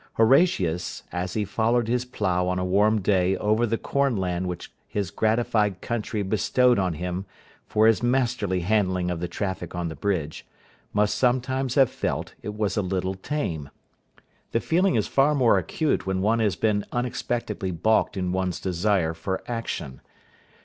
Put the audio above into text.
Horatius, as he followed his plough on a warm day over the corn land which his gratified country bestowed on him for his masterly handling of the traffic on the bridge, must sometimes have felt it was a little tame. The feeling is far more acute when one has been unexpectedly baulked in one's desire for action.